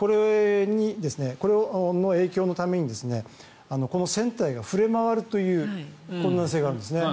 これの影響のために船体が振れ回るという困難性があるんですね。